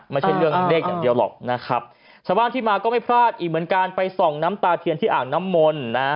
ไม่ใช่เรื่องเลขอย่างเดียวหรอกนะครับชาวบ้านที่มาก็ไม่พลาดอีกเหมือนกันไปส่องน้ำตาเทียนที่อ่างน้ำมนต์นะฮะ